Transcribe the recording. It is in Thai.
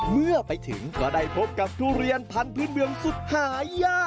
เมื่อไปถึงก็ได้พบกับทุเรียนพันธุ์เมืองสุดหายาก